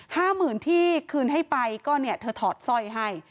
ห้าหมื่นที่คืนให้ไปก็เนี่ยเธอถอดสร้อยให้